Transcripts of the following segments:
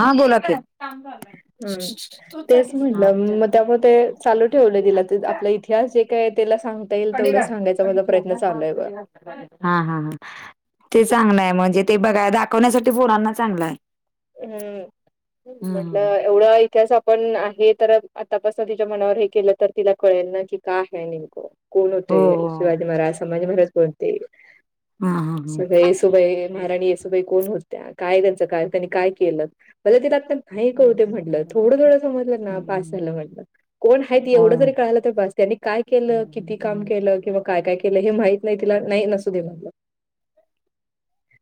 हां बोलां ताई हम्मं तेचं म्हटलं मंग त्यांमुळे ते चालूं ठेवलं दिलं आपल्या इथं इतिहास जे कायं तीलां सांगता येईल तेवढं सांगयचा माझं प्रयंत्न चालूंय बरं हां हां हां ते चांगलं आहे म्हणजे ते बघां दाखवण्यांसाठी ते पोरांना चांगलं आहे हम्मं म्हटलं हम्म. एवढां इतिहास आपणं आहे तरं आंतापासून तिच्या मनांवर हे केलं तरं तिलां कळेल नां की कायं आहे कोणं हो होते हो शिवाजी महारांज संभाजी महारांज कोणते हा हा हा सगळें सुबय महारांणी ये सुुबई कोणं होत्यां कायं त्यांचं कायं त्यांनी कायं केलं म्हंजे तेत नाहीं कोटे होते म्हटलं थोडं रडायचं म्हटलं समजलं नां पास झालं म्हटलं कोणं आहेत एवढं होय जरी कळालं तरं बसं त्यांनी कायं केलं किती कामं केलं किंवा कायं कायं केलं हे माहित नाहीं तिलां नाहीं नसूं दे म्हणलं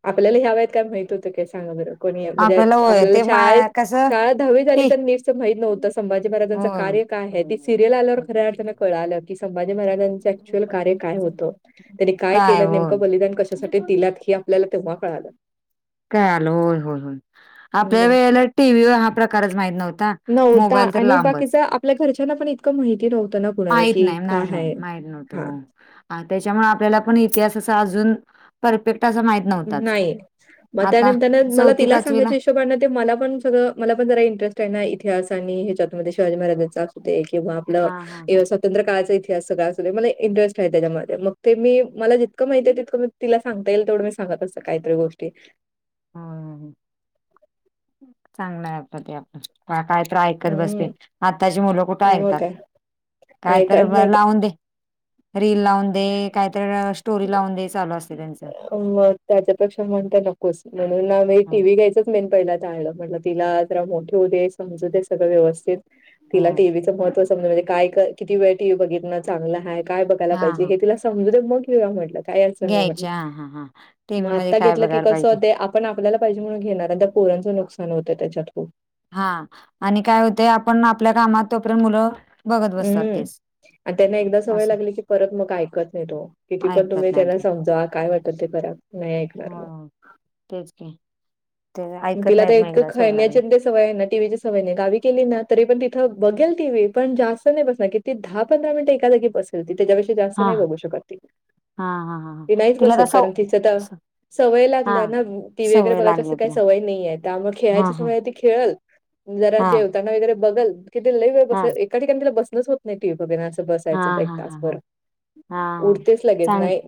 आपल्याला ह्यां वयांत कायं माहित होतं कायं सांगा बरं कोणी म्हणजे आपल्याला होय आपल्यांला ते मा शाळेत कसं शाळा दहावी झाली ती तर नीटच माहित नव्हतं संभाजी महाराांचं होय कार्य काय आहे ती सिरियल आल्यावर खऱ्या अर्थान कळाल की संभाजी महाराज एक्चुअलकार्य काय होत त्यांनी काय केलं नेमकं बलिदान कशासाठी ते तिलात की आपल्याला तेव्हा कळालं काय आल होय, होय, होय. आपल्या मग वेळेला टीव्हीवर हा प्रकारच माहित नव्हता नव्हता मोबाईल तर आणि लांबच. बाकीचं आपल्या घरच्यांना पण इतकं माहिती नव्हतं ना कुणाला, माहीत की नाही, काय नाही, नाही, हाय? माहीत हां, नव्हतो. ह त्याच्यामुळे आपल्याला पण इतिहास असा अजून परफेक्ट असा माहीत नव्हताच. नाही. मग आता त्यानिमित्ताने मला चौथी, तला पाचवीला सांगायचं मला पण सगळं मला पण जरा इंटरेस्ट आहे ना इतिहास आणि ह्याच्यातूनमध्ये शिवाजी महाराजांचा असुदे किंवा न हां, हां, हां. एव स [inaudible] तंत्रळाचा इतिहास सगळा अस मला इंटरेस्ट आहे त्याच्यामध्ये मग ते मी मला जितकं माहिती आहे तितकं मी तिला सांगता येईल तेवढं मी सांगत असते काहीतरी गोष्टी ह चांगलं आहे आता ते काय, काय तर ऐकत बसते हं, आत्ताची मुलं कुठे मग ऐकतात. काय. काय ऐकत तर नाही म लावून दे. रील लावून दे काहीत स्टोरी लावून दे चालू असते त्यांच. मग त्याच्यापेक्षा म्हणता नकोस म्हणून आ म हां. टीव्ही घ्यायच मेन पहिला टाळलं म्हटल तिला जरा मोठी होछ दे समजू दे सगळं व्यवस्थित तिला हो. टीव्हीचं महत्व समजने म्हणजे काय किती वेळ टी व्ही बघितन चांगलय काय बघ हां, पाहिजे हां. हे तिला समजूदे मग घेऊन या म्हटलं. काय अडचण नाही म्हटलं घ्यायच्या ह हा हां. मग टीव्हीमध्ये आत्ता काय घेतलं की बघायला कसं पाहिजे. होत आपण आपल्याला पाहिजे म्हणून घेणार आता पोरांचं नुकसान होतं त्याच्यात खूप हा आणि काय होते आपण आपल्या कामात तोपर्यंत मुलं बघत बसतात हम्म तेच. आणि त्यांना एकदा सवय असं लागली की परत मग ऐकत नाही तो. किती पण ऐकत तुम्ही त्यांना नाहीत समजावा काय वाटत ते करा नाही ऐकणार मग. हो तेच की ते ऐकत नाहीत मग एकदा सवय लागली होय न सवय नाही टीव्हीची सवय नाही गावी केली ना तरी पण तिथं बघेल टी व्ही पण जास्त नाही बस ती दहा, पंधरा मिनिट एका जागी बसेल ती त्याच्याबेक्षा जास्त हा नाही बघू शकत ती. हा हा हा ती हा नाहीच तिला बसत तस कारण तिच तर सवय हा लागल्या ना टी व्ही वगैरे सवय बघायच लागली असं काय तिला सवय नाही आहे त्या मग हा खेळायची हा सवय आहे ती खेळल जरा हा जेवताना वगैरे बघल किती लयी वेळ बस हा एका ठिकाणी तिला बसणच होत नाही टी व्ही बघेल ना असं हा बसायचं एक हा तास हा हा हा भर हा उठतेच लगेच चांग नाही.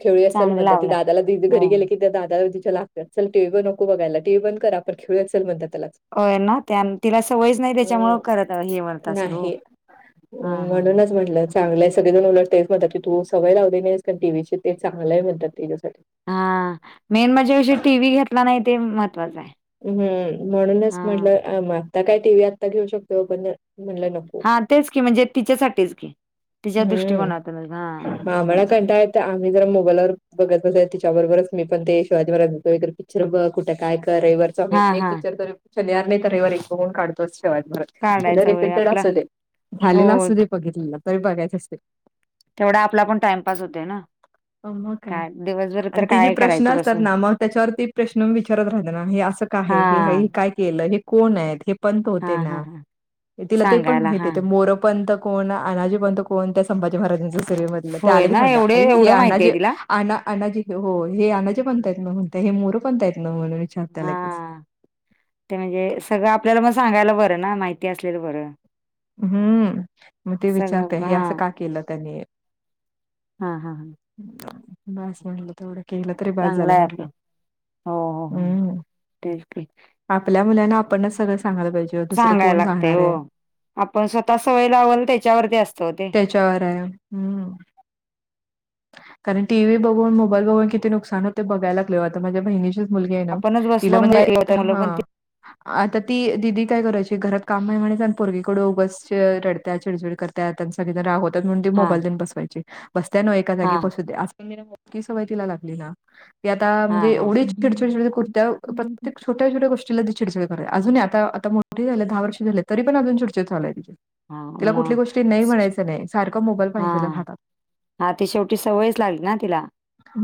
खेळुया चल चांगलं म्हणती ती लावलं दादाला हो घरी गेले की त्या दादाला तिच्याला चल टी व्ही बघु नो बघायला टी व्ही बंद कर आपण खेळुत चल बर त्याला होय ना त्या तिला सवयच नाही त्याच्यामुळ करत हे म्हणत असेल हो. नाही. हा हा हां. म्हणूनच म्हटलं चांगलंय सगळेजण उलटतेच म्हणतात की तू सवय लावली नाहीस कारण टी व्ही ची ते चांगला आहे म्हणतात त्याच्यासाठी. हा मेन म्हणजे विषय टी व्ही घेतला नाही ते महत्त्वाचं आहे. हम्म म्हणूनच हा म्हटलं आता काय टी व्ही आत्ता घेऊ शकतो पण म्हटलं नको हा तेच की म्हणजे तिच्यासाठीच की तिच्या हम्म दृष्टिकोनातून हा. आम्हाला कंटाळा आम्ही जरा मोबाईलवर बघत बस त्याच्याबरोबरच मी पण ते शिवाजी महाराजाचे वगैरे पिक्चर बघ कुठ काय कर मी हा एक हा पिचर तरी शनिवारी नाहि तर रविवारी एक बघून काढतोचे शिवाजी महाराजांचा. मला काढायचा वेळ रिपीटेड आपला असू दे हो झालेला असू दे बघितलेलं तरी बघायचं असते. तेवढा आपला पण टाईमपास होतेना. ह म काय? आणि ति जे काय प्रश्न करायचं असतात बसून ना मग त्याच्यावर ती प्रश्न विचारत राहत ना. हे असं काय हा आहे? हाय ही की काय? केलं. हे कोण आहेत हे पंत हा होते हा ना? हा तिला ते पण सांगायला हा माहिती मोर पंत कोण? अनाजी पंत कोण? त्या संभाजी महाराजांच्या सेवेमध्ये होय ना? एवढे एवढं माहितीय तिला? अना -अनाजी हो हे अनाजी पंतयत ना? म्हणते हे मोरं पंत येत ना? म्हणून विचारत्या लगेच. हा ते म्हणजे सगळं आपल्याला मग सांगायला बरं ना? माहिती असलेलं बरं. हम्म मग ते विचारत्या सगळं हे हा असं का केलं त्यानी. हा हा हां. बास म्हणलं तेवढ केलं तरी बास चांगला झाला आहे आपी म्हटलं. हो हो हो हम्म. तेच की आपल्या मुलांना आपणच सगळं सांगायला पाहिजे. दुसरं सांगायला कोण लागतय सांगणार हो. आहे? आपण स्वतः सवय लावल त्याच्यावरती असतो वो ते. त्याच्यावराय हम्म. कारण टी व्ही बघून मोबाईल बघून किती नुकसान होते बघयला लागलोय. आता माझ्या बहिणीचीच मुलगी आहे ना? आपणच तिला बसलो म्हणजे मोबाईल घेऊन तर मुलं पण हा आता ती दिदी काय करायची? घरात काम आहे म्हणायच पोरगीकड उगस रडत्या. चिडचिड करत्या. त्यां सगळीजन रागवतात. म्हणून ती हा मोबाईल देऊन बसवायची. बसत्या नव एका हा जागी बसू दे. अस म ही सवय तिला लागली ना? की आता हा म्हणजे हा एवढी चिडचिड -चिडचिड करत्या प्रत्यक्ष छोट्या छोट्या गोष्टीला ती चिडचिड करत्या अजून नाही आता आता मोठी झाल्या. दहा वर्ष झाल्या. तरी पण अजून चिडचिड चालू आहे तिची. हा तिला कुठली गोष्टी नाही मग म्हणायचं नाही. सारखं मोबाईल हा पाहिजेल हातात. हा ती शेवटी सवयच लागली ना तिला.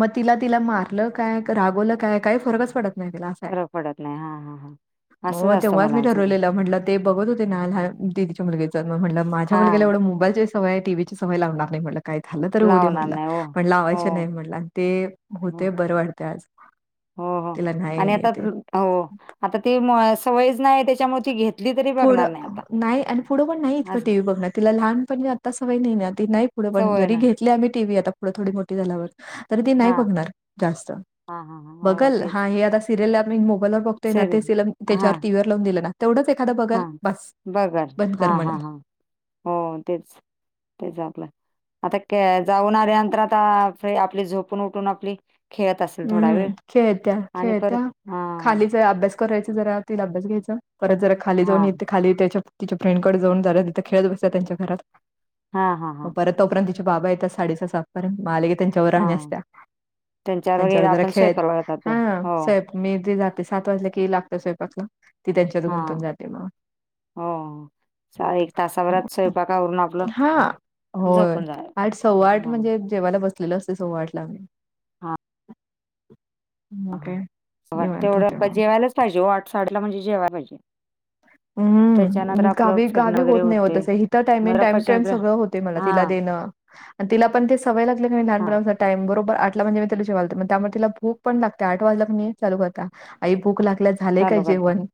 मग तिला -तिला मारलं काय? क रागवलं काय? काय फरकच पडत नाही तिला अस हाय. फरक पडत नाही हा हा हा असंच मग असतं तेव्हाच मी मुलांचं ते ठरवलेल म्हटलं ते बघत आ हा दीदीच्या मुलगीच. माझ्या हा मुलीगीला तेवढं मोबाईलची सवय टी व्ही ची सवय लावणार नाही म्हटलं. काय झालं तरी होऊ दे लावणार म्हटलं. नाही हो म्हण हो लावायच नाही म्हणलं. आणि ते हो होतेय बरं वाटते आज. हो हो तिला नाही आणि आता येते. हो आता ती म सवयच नाही त्याच्यामुळे ती घेतली तरी ब पुढं नाही आणि पुढं पण नाही इतकं टीव्ही बघण. तिला लहान पणी आत्ता सवय नाही. ती नाही पुढे पण सवय जरी घेत नाही घेतली आम्ही टी व्ही पुढं थोडी मोठी झाल्यावर तरी ती नाही हा बघणार जास्त. हा हा हा हो बघल हा तेच हे आता सिरियल आप मोबाईलवर बघ ते ना तेच सिरियल तीला हा त्याच्यावर टीव्हीवर लावून दिलं ना तेवढंच एखादा बघल हा बस बघल बंद कर हा हा म्हणल. हा हो तेच. तेच आपलं आता जाऊन आल्या नंतर आता आपली झोपून उठून आपली खेळत असेल थोडा वेळ हम्म खेळत्या आणि खेळत्या परत हा खालीच अभ्यास करायच जरा. तिचा अभ्यास घ्यायच. परत जरा खाली हा जाऊन येत. खाली त्याच्या तिच्या फ्रेंडकड जाऊन झालं तिथं खेळत बसत्या त्यांच्या घरात. हा हा मग हां. परत तोपर्यंत तिचे बाबा येतात. साडे सहा -सात पर्यंत म आले की त्यांच्यावर आणि हा असत्या. वगैरे त्यांच्यावर जरा आपण खेळत स्वयंपाला जातो हा हो स्वयं मी तेे जाते सात वाजल्या क लागत स्वयंपाकला. ती त्यांच्यात गुंतून जाते मग. हम्म. चा एक तासाभरात स्वयंपाक अवरून आपलं हां. होय. झोपून जाया सव्वा म्हणजे जेवायला बलेललं असतय सव्वा आठला म्हंजे हा. मग काय वाटतंय निवांत होते येवढं पण मग. जेवायलाच पाहिजे ओ आठ साडे आठला म्हणजे जेवायला पाहिजे. त्याच्यानंतर हम्म आपलं गावी गावी फिरणं वगैरे होत नाय ओ होते तस इथं टायमिंग मला टाइम टू टाईम पचनक्रिया सगळं होतय मला हा तिला देणं. आणि तिला पण ते सवय लागले क नाय हा लहानपणा पसन टाईम बरोबरटला आठ ला म्हणजे तिला मी जेवायला देतो म त्या मुळं तिला भूक पण लागतीया आठ वाजल्या की नाय चालू करतिया आई भूक लागलीया झालंय काय चालू करते जेवण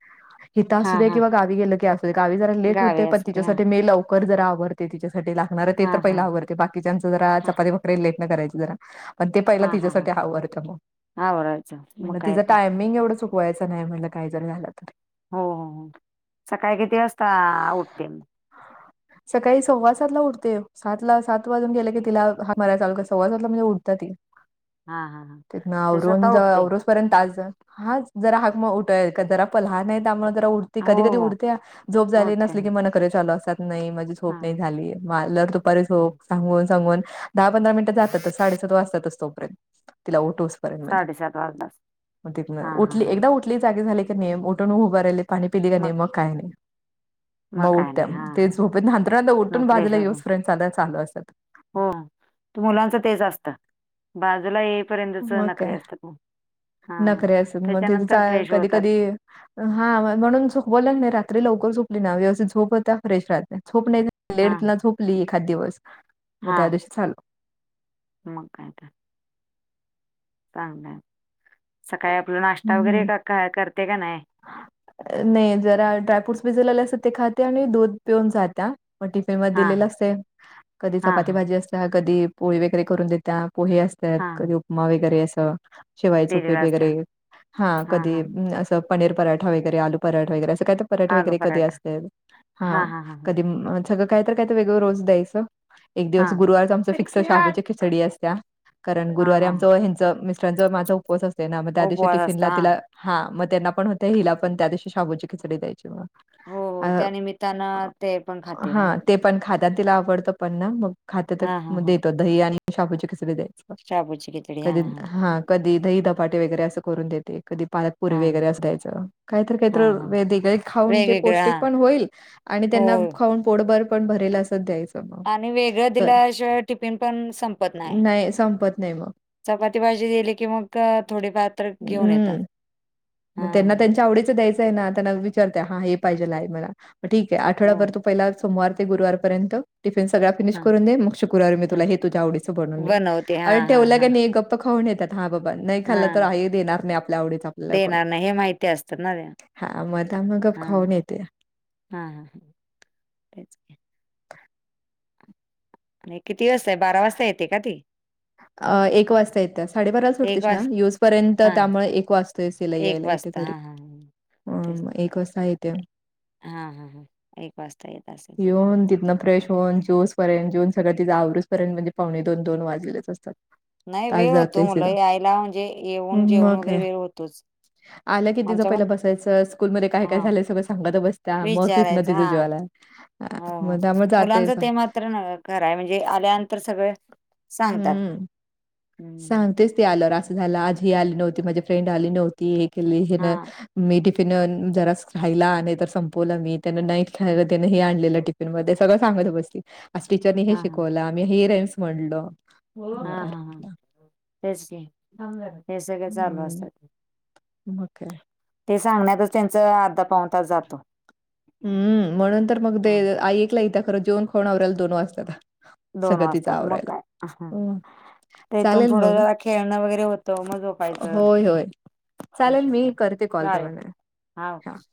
हित आ हा सुदे हा किंवा गावी गेलं की अस. गावी जरा लेट होते गावे पण असते हा तिच्यासाठी मी लवकर जरा आवरते तिच्यासाठी ला गनार ते हा तर हा पहिला आवरते बाकीच्यांच जरा हा चपाती भाकरी लेटन करायची जरा. पण ते पहिल हा हा हा तिच्यासाठी आवरतीया म आवरायचं मग म्हणलं काय तिज तर टाईम मींग एवढं चुकवायचं नाय म्हणटलं काय जरी झालं तर. हो सकाळी किती वाजता उठते म? सकाळी सव्वा सातला उठते सातला सात वाजून गेले की तिला हाक मारय चालू सव्वा सातला म्हणजे उठतिया ती. हा हा हा. ती स्वतः उठते? परंत आज हा जरा हाक उठवायच जरा आपल लहान हाय त्यामुळ जरा ती हो कधी कधी उडतिया झोप हो झाली उठते नसली की म नखरे चालू असत्यात नाय माझी झो झोप हा नाय झाली मला दुपारी झोप हम्म. सांगून सांगून दहा पंधरा मिनटं जात्याच साडेसात वाजतातच तोपयंत. तिला उठोस पर्यंत म्हणजे साडेसात वाजलाच म हा हा तिथन हा एकदा उठली जाजी झाली क नाय उठून उभा राहिली पाणी पिली का नाई मग काय नाय. म काय नाय हा. हा तेच झोपतेत हाथरुणातून मग उठून फ्रेश बाजूला येऊस होत पर्यंत चालू असत्यात. हो तु मुलांच तेच असत बाजूला ये पर्यंतच मग काय नखरे असतात हा नखरे असतात त्याच्यानंतर फ्रेश होतात. हा म्हणून झोपवल्या क नाय रात्री लवकर झोपली ना व्यवस्थित झोप होतिया फ्रेश राहतीया. झोप नाय लेट हा न झोपली एखाद दिवस म त्या हा दिवशी चाल. मग काय तर. चांगलाय सकाळी आपला नाष्टा वगैरे का- काय करते का नाय? अ नाय जरा ड्राय फ्रूटस भिजवलेले असतात ते खाते आणि दूध पिऊन जात्या. म हा हा दिलेलं असतंय कधी हा चपाती हा भाजी असतीया कधी पोळी वैगेरे करून देतिया पोहे अस त्यात हा हा कधी उपमा वगैरे असं शिवायचं उपीट दिलेला असता वगैरे. हा कधी असं पनीर पराठा वगैरे आलू पराठा वगैरे असं काय तर पराठे आलू वगैरे कधी पराठा असतेत हा कधी सगळं काय तर काय तर वेगळ रोज द्यायचं. एक दिवस हा गुरुवारच आमच फिक्स शाबूची खिचडी असतिया कारण हा गुरुवारी हा आमचं हेन च मिस्टरांचा माझा उपवास असतोय ना म त्या दिवशी उपवास असतो हा हा मग त्यांना पण होतय हिला पण त्या दिवशी शाबूची खिचडी द्यायची मग. हो अ, त्या निमित्तानं ते पण खाते मग. हां, ते पण खात्या तिला आवडतं पण ना मग खात्या हा हा तर हा देतो दही आणि शाबूची खिचडी दे शाबूची खिचडी हा कधी हा कधी दहीधपाटे वगैरे असं करून देते कधी पालकपुरी हा वगैरे असं द्यायचं काय तर काय हा तर हा वेगळे खाऊन जे वेगवेगळं पौष्टिक हा पण होईल. आणि त्यांना हो खाऊन पोरभर पण भरेल असच द्यायचं. मग. आणि वेगळ क दिल्याशिवाय टिफिन पण संपत नाय. नाही संपत नाही मग. चपाती भाजी दिली की मग थोडीफार तर घेऊन येतात. हं, मग हा त्यांना त्यांच्या आवडीच द्यायचंय ना त्यांना विचारते हा हे पाहिजेलाय मला म ठीक आहे आठवडा हो भर तू पहिला सोमार ते गुरुवारपर्यंत टिफिन सगळ्या फीनिश हा करून दे मग शुक्रारारी मी हा तुला तुझ्या आवडीच हे बनवून देईन. बनवते हा अरे हा ठेवलं काय हा नाय गप्प खाऊन येतात हा बाबा नाय हा खाल्लं तर आई देणार नाय आपल्या आवडीत आपल्याला करून. नाय हे माहिती असतं ना. हा मग त्यामुळ मग गप हा खाऊन येते. हा हा ह. आणि किती वाजता? बारा वाजता येते का ती? आ एक वाजता येत्या. साडेबाराला सुटते एक शाळा वाज यूसपर्यंत हा त्यामुळे एक वाजतोय च तिला एक यायला इथे वाजता घरी. हा हा तेच हम्म एक वाजता येत्या. हा हा हा एक वाजता येत असल. येऊन तिथन फ्रेश होऊन ज्यस पर्यंत जेऊन सगळ तिथं आवरुजपर्यंत म्हणजे पावणे दोन दोन वाजलेलच असत्यात. नाही वेळ होतो. मुलं यायला म्हणजे येऊन जेवन मग वगैरे काय. वेळ होतोच. आलं कि तिचं आमचा पहिला पण बसायचं. स्कूलमध्ये काय -काय हा झालंय सगळं सांगत बस - त्या मग तिथन विचारायचं तिज हा जीवाला हो हो मग त्यामुळे जातय मुलांच स ते मात्र खराय म्हणजे आल्यानंतर सगळं हम्म. हम्म. सांगतेच ते आल्यावर. असं झालं. आज हे आली नव्हती. माझी फ्रेंड आली नव्हती. हे केली ही हा न मी टिफिन जराच राहीला. नाही तर संपवलं मी. त्यांना नाही खायला त्यान हे आणलेलं टिफिन सगळ सांगत बसली. आज टीचर नी हे हा हा शिकवलं आम्ही हे राईम्स म्हटलो. हा हा ह तेच की हे सगळ चालू हं, असतय - - मग काय? ते सांगण्यातच त्यांच अर्धा पाऊण तास जातो. हम्म म्हणून तर मग ते हा. आईकला इथ खरं जेवण खाऊन आवरायला दोन वाजत्यात. दोन वाजतात मग काय? हं, ते इथून चालेल पुढं मग. जरा खेळणं वगैरे होतं मग झोपायचं. होय, होय. ठीक आहे. मी चालेल. करते कॉल चालेल. तुम्हाला. हा हां. ओके